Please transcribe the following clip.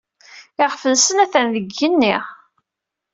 Iɣef-nnes atan deg yigenni.